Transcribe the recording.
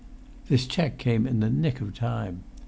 This check came in the nick of time.